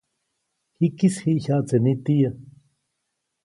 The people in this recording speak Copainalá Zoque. Jikis jiʼ jyaʼtse nitiyä.